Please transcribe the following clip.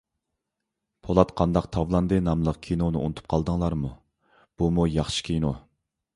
«پولات قانداق تاۋلاندى» ناملىق كىنونى ئۇنتۇپ قالدىڭلارمۇ؟ بۇمۇ ياخشى كىنو.